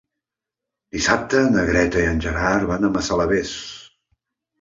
Dissabte na Greta i en Gerard van a Massalavés.